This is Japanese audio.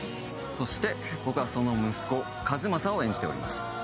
そして、僕はその息子を演じています。